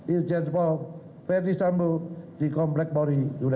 irjen pol f disambu di komplek pori julai tiga